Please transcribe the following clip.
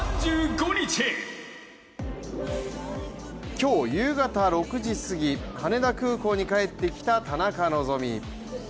今日夕方６時過ぎ、羽田空港に帰ってきた田中希実。